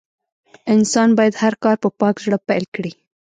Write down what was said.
انسان بايد هر کار په پاک زړه پيل کړي.